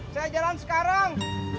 saya jalan sekarang